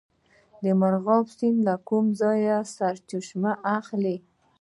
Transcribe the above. مرغاب سیند له کوم ځای سرچینه اخلي؟